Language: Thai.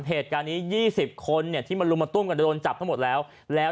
เหตุการณ์นี้๒๐คนเนี่ยที่มาลุมมาตุ้มกันจะโดนจับทั้งหมดแล้วแล้ว